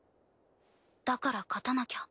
だから勝たなきゃ。